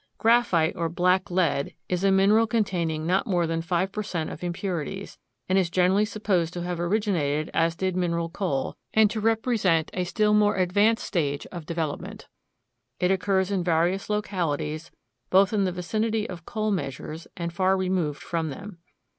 Graphite, or black lead, is a mineral containing not more than five per cent of impurities, and is generally supposed to have originated as did mineral coal, and to represent a still more advanced stage of development. It occurs in various localities both in the vicinity of coal measures and far removed from them.